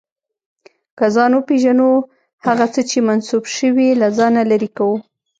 که ځان وپېژنو، هغه څه چې منسوخ شوي، له ځانه لرې کوو.